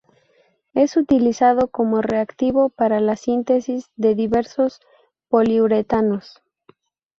Es utilizado como reactivo para la síntesis de diversos poliuretanos.